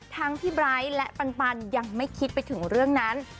พี่ไบร์ทและปันยังไม่คิดไปถึงเรื่องนั้น